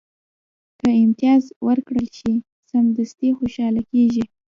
که امتیاز ورکړل شي، سمدستي خوشاله کېږي.